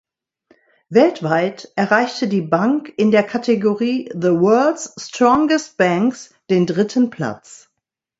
Weltweit erreichte die Bank in der Kategorie „The World’s Strongest Banks“ den dritten Platz.